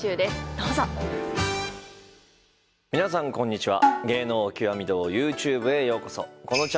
皆さんこんにちは。